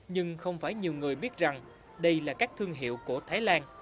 nhưng không phải nhiều người biết rằng đây là các thương hiệu của thái lan